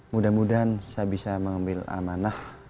mudah mudahan saya bisa mengambil amanah